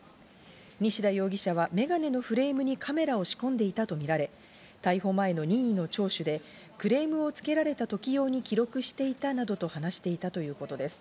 西田容疑者はメガネのフレームにカメラを仕込んでいたとみられ、逮捕前の任意の聴取で、クレームをつけられた時用に記録していたなどと話しているということです。